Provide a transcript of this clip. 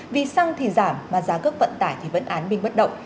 vì xăng thì giảm mà giá cước vận tải thì vẫn án binh bất động